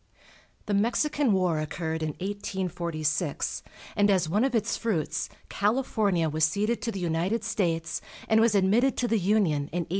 The Mexican War occurred in 1846, and as one of its fruits California was ceded to the United States, and was admitted to the Union in 1850.